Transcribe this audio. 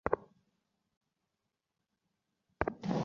অগ্রসর হইতেও সীতারামের সাহস হইল না– ভরসা বাঁধিয়া পিছন ফিরিতেও পারিল না।